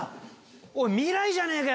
おい未来じゃねえかよ